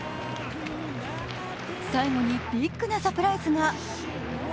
最後にビッグなサプライズが。